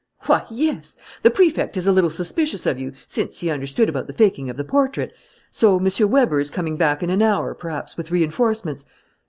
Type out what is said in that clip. "Why, yes! The Prefect is a little suspicious of you since he understood about the faking of the portrait. So M. Weber is coming back in an hour, perhaps, with reinforcements.